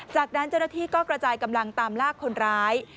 จากนั้นเจ้าหน้าที่ก็กระจายกำลังตามลากคนร้าย